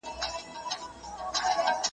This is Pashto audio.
چي د قلم د زیندۍ شرنګ دي له پېزوانه نه ځي `